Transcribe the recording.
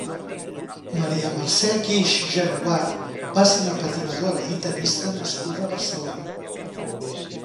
Maria Mercè Guix Genobart va ser una patinadora i tennista nascuda a Barcelona.